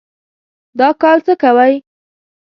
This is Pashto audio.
دا کال څه کوئ؟